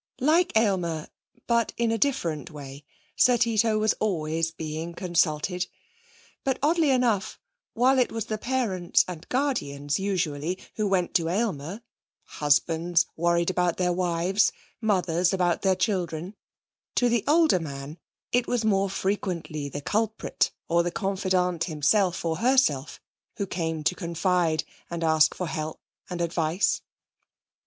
Like Aylmer, but in a different way, Sir Tito was always being consulted, but, oddly enough, while it was the parents and guardians usually who went to Aylmer, husbands worried about their wives, mothers about their children; to the older man it was more frequently the culprit or the confidant himself or herself who came to confide and ask for help and advice.